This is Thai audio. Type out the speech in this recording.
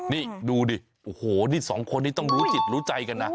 นี่ดูดิโอ้โหนี่สองคนนี้ต้องรู้จิตรู้ใจกันนะ